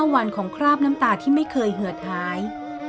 วันของคราบน้ำตาที่ไม่เคยเหือดหาย